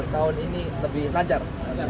tahun ini lebih lancar